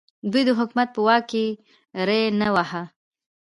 دوی د حکومت په واک کې ری نه واهه.